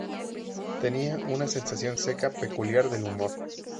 Tenía una sensación seca, peculiar del humor.